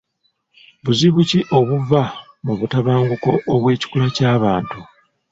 Buzibu ki obuva mu butabanguko obw'ekikula ky'abantu?